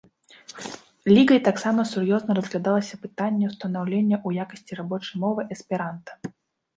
Лігай таксама сур'ёзна разглядалася пытанне ўстанаўленне ў якасці рабочай мовы эсперанта.